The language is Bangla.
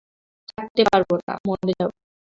থাকতে পারব না, মরে যাব।